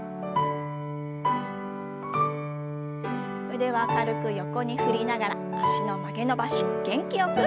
腕は軽く横に振りながら脚の曲げ伸ばし元気よく。